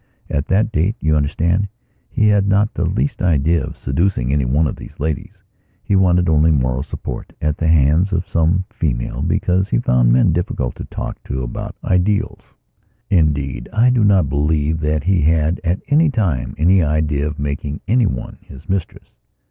At that date, you understand, he had not the least idea of seducing any one of these ladies. He wanted only moral support at the hands of some female, because he found men difficult to talk to about ideals. Indeed, I do not believe that he had, at any time, any idea of making any one his mistress.